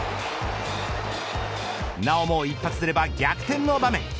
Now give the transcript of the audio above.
なおも一発出れば、逆転の場面。